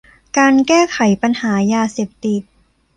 การแก้ไขปัญหายาเสพติด